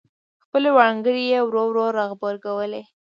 خپلې وړانګې یې ورو ورو را غبرګولې.